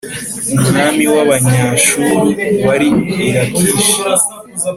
Umwami w’Abanyashuru wari i Lakishi,